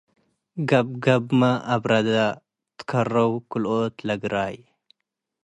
ገብገብመ አብረደ ትካረው ክልኦት ለግራይ